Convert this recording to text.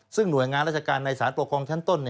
ซึ่งหน่วยงานราชการในสารปกครองชั้นต้น